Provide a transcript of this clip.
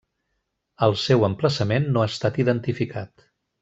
El seu emplaçament no ha estat identificat.